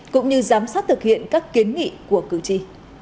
cũng như giám sát thực hiện các kiến nghị của cử tri